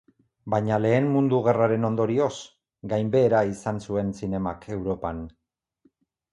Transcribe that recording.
Baina Lehen Mundu Gerraren ondorioz, gainbehera izan zuen zinemak Europan.